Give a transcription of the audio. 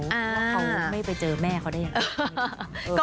ว่าเขาไม่ไปเจอแม่เขาได้ยังไง